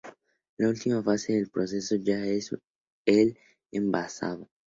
La última fase del proceso ya es el envasado.